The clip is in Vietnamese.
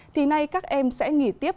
thì nay các em sẽ nghỉ tiếp